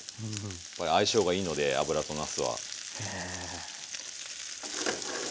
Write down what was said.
相性がいいので脂となすは。